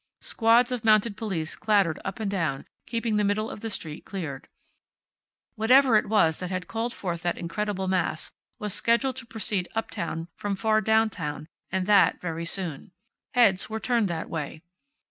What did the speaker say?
Squads of mounted police clattered up and down, keeping the middle of the street cleared. Whatever it was that had called forth that incredible mass, was scheduled to proceed uptown from far downtown, and that very soon. Heads were turned that way.